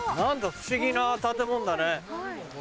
不思議な建物だね。